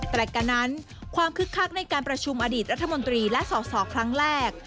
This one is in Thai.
แต่กันนั้นความคึกคักในการประชุมอดีตรัฐมนตรีและสอสอครั้งแรก